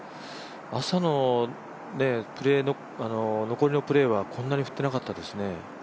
朝の残りのプレーはこんなに振ってなかったですね。